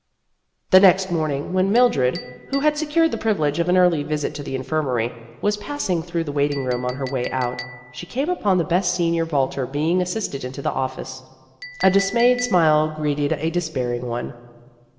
The next morning, when Mildred, who had secured the privilege of an early visit to the infirmary, was passing through the waiting room on her way out, she came upon the best senior vaulter being as sisted into the office. A dismayed smile greeted a despairing one.